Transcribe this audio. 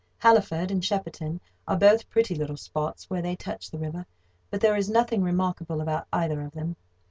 Halliford and Shepperton are both pretty little spots where they touch the river; but there is nothing remarkable about either of them.